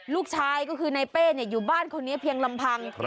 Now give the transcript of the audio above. ลูกชายก็คือนายเป้อยู่บ้านคนนี้เพียงลำพัง